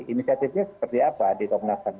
inisiatifnya seperti apa di komnas ham